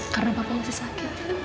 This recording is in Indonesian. karena papa masih sakit